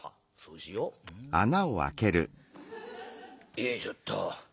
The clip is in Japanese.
よいしょっと。